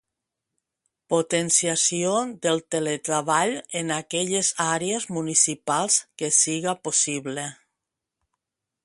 Potenciació del teletreball en aquelles àrees municipals que siga possible.